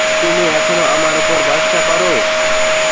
তুমি এখনো আমার উপর ভরসা করো।